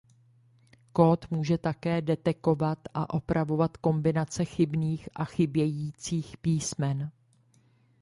Kód může také detekovat a opravovat kombinace chybných a chybějících písmen.